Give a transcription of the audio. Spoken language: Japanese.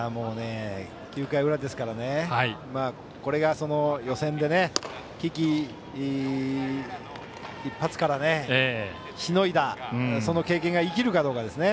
９回の裏ですからこれが予選で危機一髪からしのいだその経験がいきるかどうかですね。